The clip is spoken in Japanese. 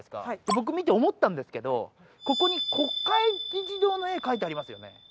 僕見て思ったんですけどここに国会議事堂の絵描いてありますよね